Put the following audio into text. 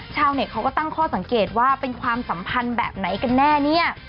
ชาวเน็ตเขาก็ตั้งข้อสังเกตว่าเป็นความสัมพันธ์แบบไหนกันแน่เนี่ย